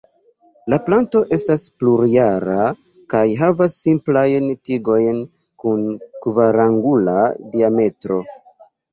La planto estas plurjara kaj havas simplajn tigojn kun kvarangula diametro.